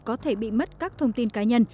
có thể bị mất các thông tin cá nhân